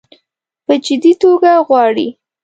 په جدي توګه غواړي.